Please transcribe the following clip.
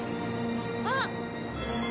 あっ！